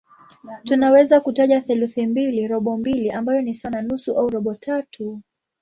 Tunaweza kutaja theluthi mbili, robo mbili ambayo ni sawa na nusu au robo tatu.